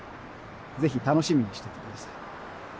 ぜひ楽しみにしていてください。